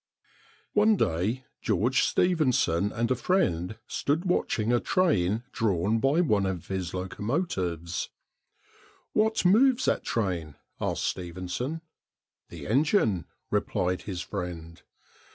One day George Stephenson and a friend stood watching a train drawn by one of his locomotives. "What moves that train?" asked Stephenson. "The engine," replied his friend.